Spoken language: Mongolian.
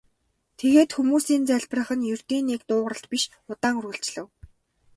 Тэгээд хүмүүсийн залбирах нь ердийн нэг дуугаралт биш удаан үргэлжлэв.